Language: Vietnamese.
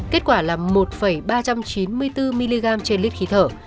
kết quả là một ba trăm chín mươi bốn mg trên lít khí thở